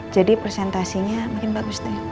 jadi presentasinya makin bagus deh